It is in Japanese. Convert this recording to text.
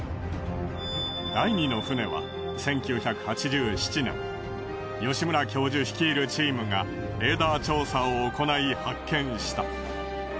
第２の船は１９８７年吉村教授率いるチームがレーダー調査をおこない発見した。